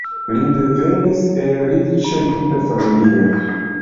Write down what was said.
Ŝi devenis el riĉa juda familio.